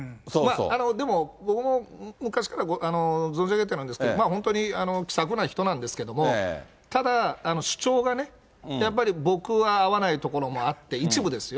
でも、僕も昔から存じ上げてるんですけど、本当に気さくな人なんですけれども、ただ、主張がね、やっぱり僕は合わないところもあって、一部ですよ。